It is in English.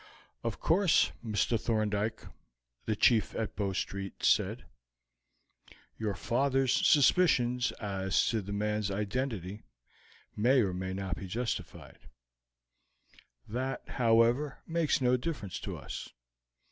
"Of course, Mr. Thorndyke," the chief at Bow Street said, "your father's suspicions as to the man's identity may or may not be justified; that, however, makes no difference to us.